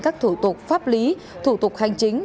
các thủ tục pháp lý thủ tục hành chính